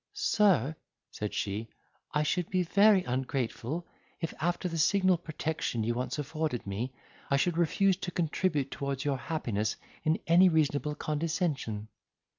"Sir," said she, "I should be very ungrateful, if after the signal protection you once afforded me, I should refuse to contribute towards your happiness in any reasonable condescension."